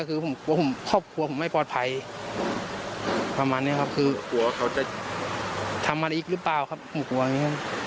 อือเราก็คืออยากจะไม่ให้